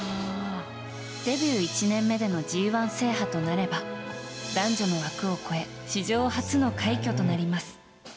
デビュー１年目でのＧ１制覇となれば男女の枠を超え史上初の快挙となります。